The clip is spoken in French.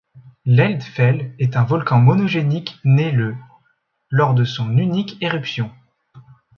L'Eldfell est un volcan monogénique né le lors de son unique éruption.